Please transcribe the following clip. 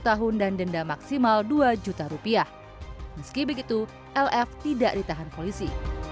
tahun dan denda maksimal dua juta rupiah meski begitu lf tidak ditahan polisi